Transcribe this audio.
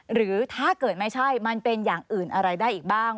หรือถ้าเกิดไม่ใช่มันเป็นอย่างอื่นอะไรได้อีกบ้าง